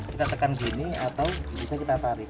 kita tekan gini atau bisa kita tarik